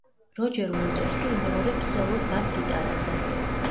როჯერ უოტერსი იმეორებს სოლოს ბას-გიტარაზე.